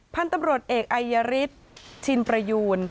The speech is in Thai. พันธุ์ตำรวจเอกอายฤทธิ์ชินประยูน